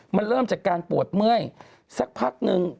มันเริ่มจากการปวดเมื่อยสักพักนึง